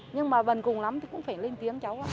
nhưng mà vần cùng lắm thì cũng phải lên tiếng cháu